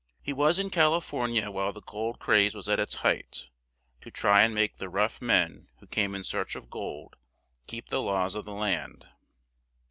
] He was in Cal i for ni a while the gold craze was at its height, to try and make the rough men who came in search of gold keep the laws of the land.